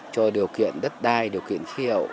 cho điều kiện đất đai điều kiện khí hậu